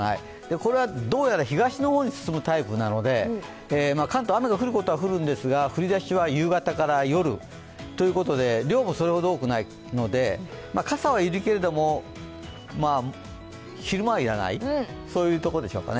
これはどうやら東の方に進むタイプなので関東雨が降ることは降るんですが、降り出しは夕方から夜ということで量はそれほど多くないので、傘は要るけれども、昼間は要らないそういうところでしょうかね。